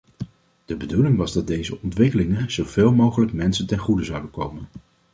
De bedoeling was dat deze ontwikkelingen zo veel mogelijk mensen ten goede zouden komen.